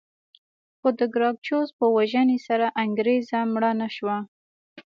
خو د ګراکچوس په وژنې سره انګېزه مړه نه شوه